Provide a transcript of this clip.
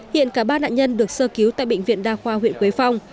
hiện cả ba nạn nhân được sơ cứu tại bệnh viện đa khoa huyện quế phong